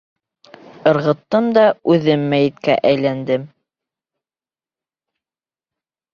Ырғыттым да үҙем мәйеткә әйләндем.